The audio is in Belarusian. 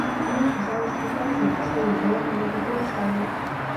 Ну, я ж і кажу, што і бегалі, і крычалі.